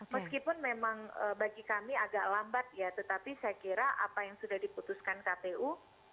meskipun memang bagi kami agak lambat ya tetapi saya kira apa yang sudah diputuskan kpu